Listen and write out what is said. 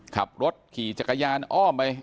ขับรถขี่จักรยานอ้อมไป